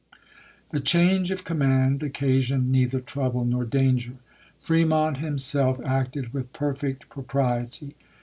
The change of command occasioned neither trouble nor danger. Fremont himself acted with perfect propriety.